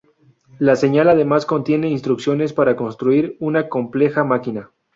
La señal, además, contiene instrucciones para construir una compleja máquina.